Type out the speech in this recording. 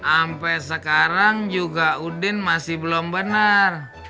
sampai sekarang juga udin masih belum benar